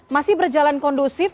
masih berjalan kondusif